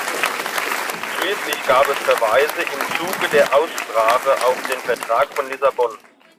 Schließlich gab es Verweise im Zuge der Aussprache auf den Vertrag von Lissabon.